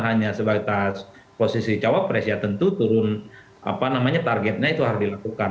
hanya sebatas posisi cawapres ya tentu turun targetnya itu harus dilakukan